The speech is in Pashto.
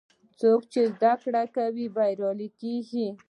څوک چې زده کړه کوي، بریالی کېږي.